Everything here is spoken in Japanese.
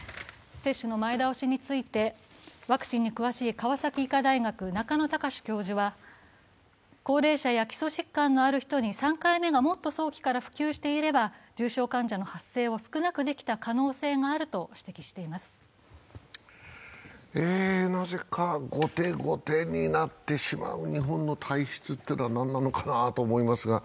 接種の前倒しについてワクチンに詳しい川崎医科大学中野貴司教授は、高齢者や基礎疾患のある人に３回目がもっと早期から普及していれば重症患者の発生を少なくできた可能性があると指摘しています。